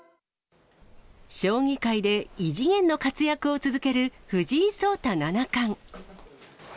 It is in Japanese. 将棋界で異次元の活躍を続ける藤井聡太七冠。